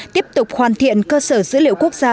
tiếp tục hoàn thiện cơ sở dữ liệu quốc gia